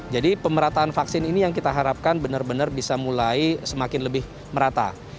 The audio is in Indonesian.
jadi pemerataan vaksin ini yang kita harapkan benar benar bisa mulai semakin lebih merata